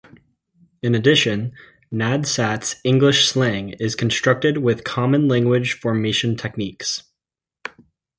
In addition, Nadsat's English slang is constructed with common language-formation techniques.